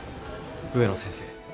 植野先生